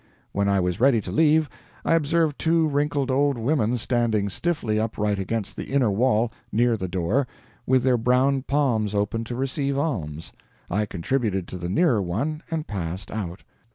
When I was ready to leave, I observed two wrinkled old women standing stiffly upright against the inner wall, near the door, with their brown palms open to receive alms. I contributed to the nearer one, and passed out.